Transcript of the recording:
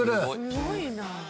すごいな。